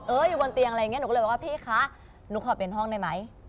อยู่บนเตียงอะไรอย่างนี้หนูก็เลยบอกว่าพี่คะหนูขอเป็นห้องได้ไหม